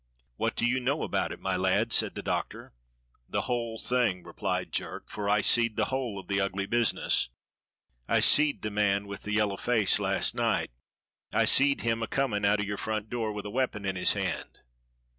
"What do you know about it, my lad?" said the Doctor. "The whole thing," replied Jerk, "for I seed the whole of the ugly business. I seed the man with the yellow face last night. I seed him a comin' out of your front door with a weapon in his hand."